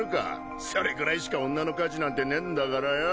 それくらいしか女の価値なんてねぇんだからよ。